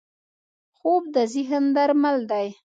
خوب د ذهن درمل دی